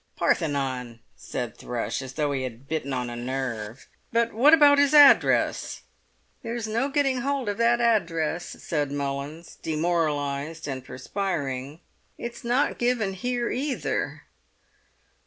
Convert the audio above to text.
"Parthenon!" said Thrush, as though he had bitten on a nerve. "But what about his address?" "There's no getting hold of that address," said Mullins, demoralised and perspiring. "It's not given here either."